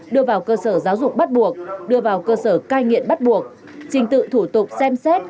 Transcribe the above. đưa vào cơ sở giáo dục bắt buộc đưa vào cơ sở cai nghiện bắt buộc trình tự thủ tục xem xét